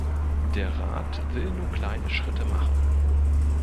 Der Rat will nur kleine Schritte machen.